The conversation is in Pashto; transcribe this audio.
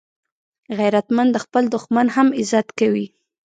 غیرتمند د خپل دښمن هم عزت کوي